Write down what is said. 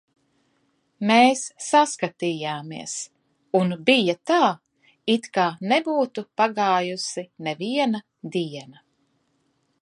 Mēs saskatījāmies, un bija tā, it kā nebūtu pagājusi neviena diena.